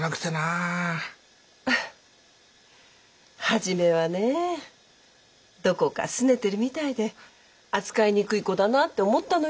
初めはねどこかすねてるみたいで扱いにくい子だなって思ったのよ私。